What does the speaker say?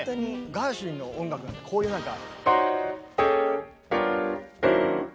ガーシュウィンの音楽なんてこういうなんか。